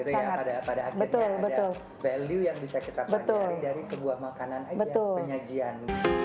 itu ya pada akhirnya ada value yang bisa kita pelajari dari sebuah makanan aja penyajian